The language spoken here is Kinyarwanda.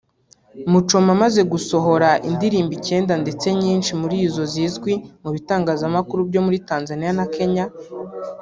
Muchoma amaze gusohora indirimbo icyenda ndetse nyinshi muri zo zizwi mu bitangazamakuru byo muri Tanzania na Kenya